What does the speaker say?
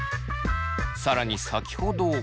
更に先ほど。